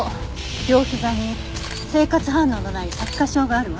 両膝に生活反応のない擦過傷があるわ。